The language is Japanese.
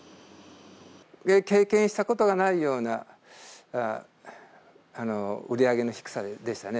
経験したことがないような、売り上げの低さでしたね。